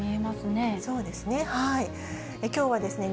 そうですね。